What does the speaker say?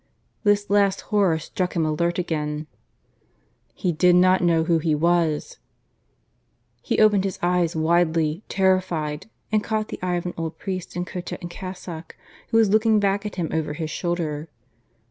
This last horror struck him alert again. He did not know who he was. He opened his eyes widely, terrified, and caught the eye of an old priest in cotta and cassock who was looking back at him over his shoulder.